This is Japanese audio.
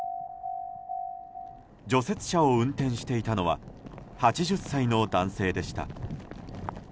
除雪車を運転していたのは８０歳の男性でした。